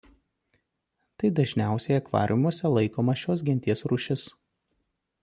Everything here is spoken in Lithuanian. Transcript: Tai dažniausiai akvariumuose laikoma šios genties rūšis.